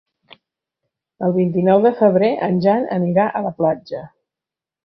El vint-i-nou de febrer en Jan anirà a la platja.